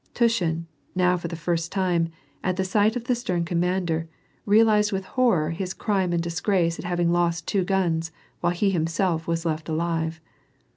Tushin now for the first time, at the sight of the stern commander, realized with horror his crime and disgrace at having lost two guns, while he himself was left alive.